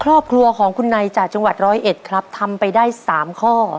ครอบครัวของคุณในจากจังหวัดร้อยเอ็ดครับทำไปได้๓ข้อ